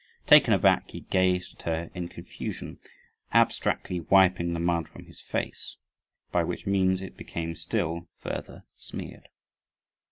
Taken aback he gazed at her in confusion, abstractedly wiping the mud from his face, by which means it became still further smeared.